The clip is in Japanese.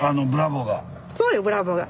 そうよブラボーが。